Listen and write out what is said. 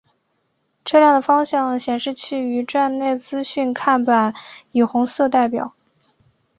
车辆的方向显示器与站内资讯看板以红色代表。